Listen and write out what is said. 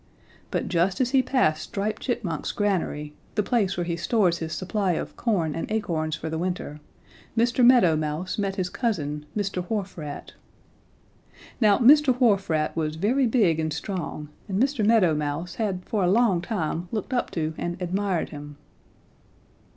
But just as he passed Striped Chipmunk's granary, the place where he stores his supply of corn and acorns for the winter, Mr. Meadow Mouse met his cousin, Mr. Wharf Rat. Now Mr. Wharf Rat was very big and strong and Mr. Meadow Mouse had for a long time looked up to and admired him.